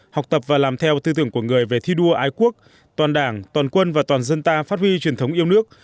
học tập và làm theo tư tưởng của người về thi đua ái quốc toàn đảng toàn quân và toàn dân ta phát huy truyền thống yêu nước